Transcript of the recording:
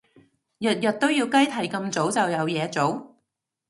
日日都要雞啼咁早就有嘢做？